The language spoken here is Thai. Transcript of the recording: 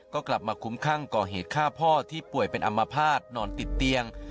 ก็กลับมาคุ้มคั่งก่อเหตุฆ่าพ่อที่ป่วยเป็นอัมพาตนอนติดเตียง